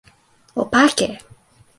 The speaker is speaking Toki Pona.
o pake!